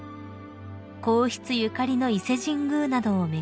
［皇室ゆかりの伊勢神宮などを巡り